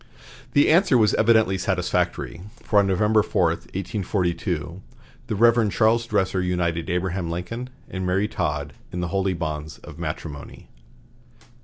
The answer was evidently satisfactory, for on November 4, 1842, the Rev. Charles Dresser united Abraham Lincoln and Mary Todd in the holy bonds of matrimony.